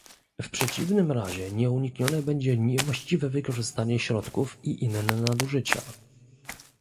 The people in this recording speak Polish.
W przeciwnym razie nieuniknione będzie niewłaściwe wykorzystanie środków i inne nadużycia